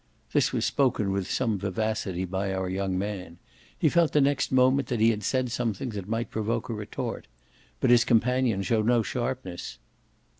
This was spoken with some vivacity by our young man; he felt the next moment that he had said something that might provoke a retort. But his companion showed no sharpness.